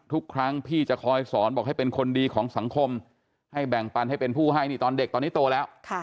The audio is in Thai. ทุกครั้งพี่จะคอยสอนบอกให้เป็นคนดีของสังคมให้แบ่งปันให้เป็นผู้ให้นี่ตอนเด็กตอนนี้โตแล้ว